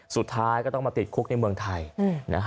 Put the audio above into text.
สุดท้ายก็ต้องมาติดคุกในเมืองไทย